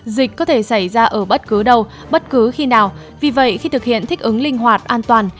dịch có thể xảy ra ở bất cứ đâu bất cứ khi nào vì vậy khi thực hiện thích ứng linh hoạt an toàn